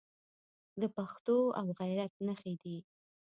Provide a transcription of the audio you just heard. د پښتو او غیرت نښې دي.